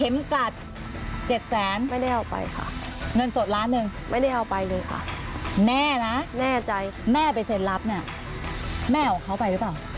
แม่ไปเซ็นลับเนี่ยแม่เอาเขาไปหรือเปล่า